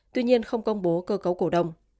tuy nhiên không công bố cơ cấu cổ đông